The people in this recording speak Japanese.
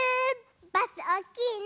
バスおっきいね。